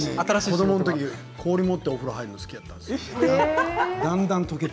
子どものころ、氷を持ってお風呂に入るのが好きだったんですよ。